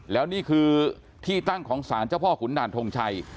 แล้วนี่คือที่ตั้งของสารเจ้าพ่อขุนด่านทงชัย